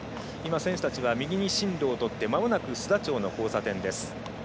選手たちは右に進路をとって、まもなく須田町の交差点です。